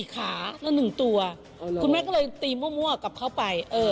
ขาละ๑ตัวคุณแม่ก็เลยตีมั่วกลับเข้าไป